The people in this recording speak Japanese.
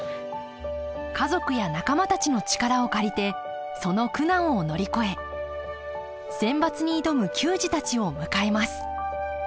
家族や仲間たちの力を借りてその苦難を乗り越えセンバツに挑む球児たちを迎えます